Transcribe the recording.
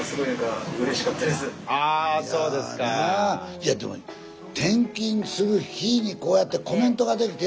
いやでも転勤する日にこうやってコメントができてよかったよね。